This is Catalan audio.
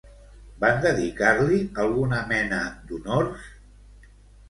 Van dedicar-li alguna mena d'honors?